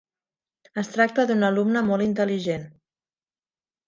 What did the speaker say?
Es tracta d'un alumne molt intel·ligent.